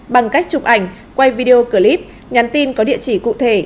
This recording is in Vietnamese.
bằng cách chụp ảnh quay video clip nhắn tin có địa chỉ cụ thể